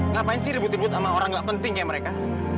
ngapain sih ribut ribut sama orang gak penting kayak mereka